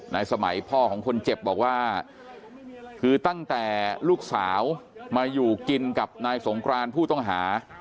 สมัยพ่อของคนเจ็บบอกว่าคือตั้งแต่ลูกสาวมาอยู่กินกับนายสงกรานผู้ต้องหา